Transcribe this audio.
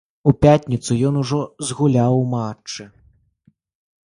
У пятніцу ён ўжо згуляў у матчы.